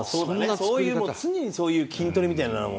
そういうもう常にそういう筋トレみたいなのを。